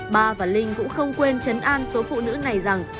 ba và linh cũng không quên chấn an số phụ nữ này rằng